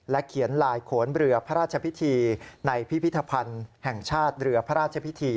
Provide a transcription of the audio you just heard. เขียนลายโขนเรือพระราชพิธีในพิพิธภัณฑ์แห่งชาติเรือพระราชพิธี